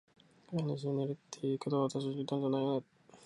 飼い主に似るって言うけど、わたしに似たんじゃないよね？